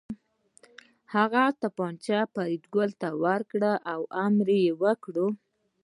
هغه توپانچه فریدګل ته ورکړه او امر یې وکړ